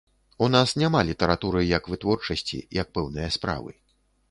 У нас няма літаратуры як вытворчасці, як пэўнае справы.